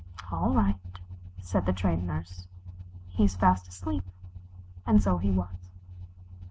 "All right," said the Trained Nurse, "he is fast asleep." And so he was.